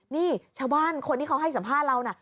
นี่ชาวบ้านคนที่เขาให้สัมภาษณ์เรานะ